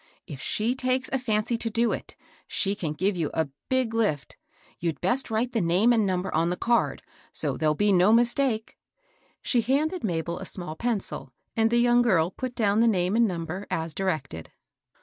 If she takes a fancy to do it, she can give you a big lift. You'd best write the name and number on the card, so there'll be no mistake." She handed Mabel a small pencil, and the young girl put down the name and number as directed.